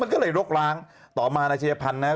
ก็เลยรกล้างต่อมานายชาวพันธ์นะครับ